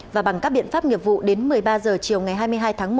và bằng các biện pháp nghiệp vụ đến một mươi ba h chiều ngày hai mươi hai tháng một